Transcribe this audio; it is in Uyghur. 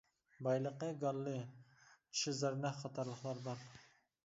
بايلىقى گاللىي، چىشى زەرنىخ قاتارلىقلار بار.